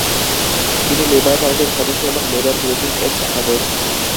তিনি লেবার পার্টির সদস্য এবং লেবার ব্রিফিং এর সম্পাদক।